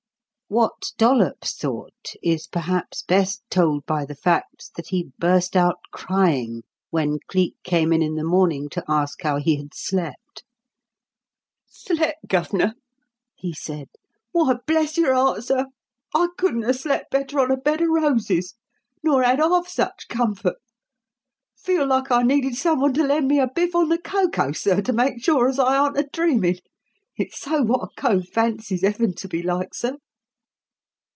What Dollops thought is, perhaps, best told by the fact that he burst out crying when Cleek came in in the morning to ask how he had slept. "Slept, Gov'nor!" he said. "Why, bless your 'eart, sir, I couldn't a slept better on a bed of roses, nor 'ad 'arf such comfort. Feel like I needed someone to lend me a biff on the coco, sir, to make sure as I aren't a dreamin' it's so wot a cove fancies 'Eaven to be like, sir."